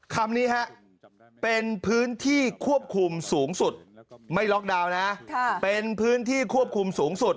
คำนี้ฮะเป็นพื้นที่ควบคุมสูงสุดไม่ล็อกดาวน์นะเป็นพื้นที่ควบคุมสูงสุด